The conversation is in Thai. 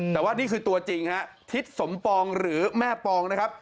แต่ว่านี่คือตัวจริงฮะทิศสมปองหรือแม่ปองนะครับ